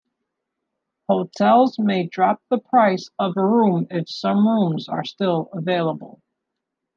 Hotels may drop the price of a room if some rooms are still available.